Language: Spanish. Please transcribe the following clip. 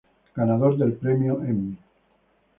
Ganador del Premio Emmy.